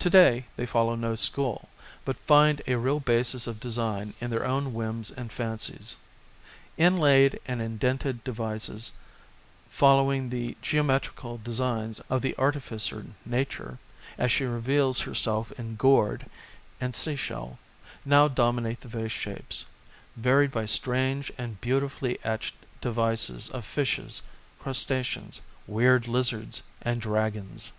To day they follow no school, but find a real basis of design in their own whims and fancies. Inlaid and indented devices, following the geometrical designs of the artificer Nature, as she reveals herself in gourd and sea shell, now dominate the vase shapes, varied by strange and beautifully etched devices of fishes, crustaceans, weird lizards and dragons.